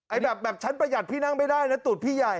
แบบแบบชั้นประหยัดพี่นั่งไม่ได้นะตูดพี่ใหญ่